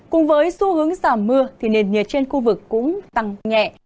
cùng với xu hướng giảm mưa thì nền nhiệt trên khu vực cũng tăng nhẹ